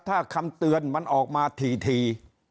ถ้าคำเตือนมันออกมาถี่